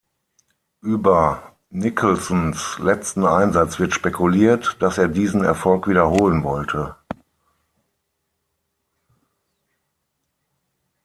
Über Nicholsons letzten Einsatz wird spekuliert, dass er diesen Erfolg wiederholen wollte.